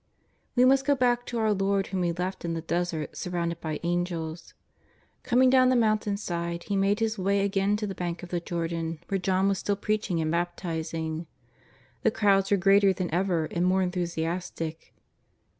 We must go back to our Lord whom we left in the desert surrounded by Angels. Coming down the mountain side He made His way again to the bank of the Jordan where John was still preaching and baptising. The crowds were greater than ever and more enthusiastic.